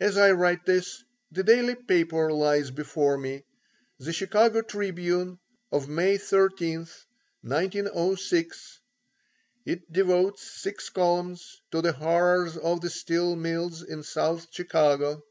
As I write this, the daily paper lies before me; the Chicago Tribune of May 13th, 1906. It devotes six columns to the horrors of the steel mills in South Chicago.